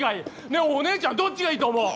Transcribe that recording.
ねえおねえちゃんどっちがいいと思う？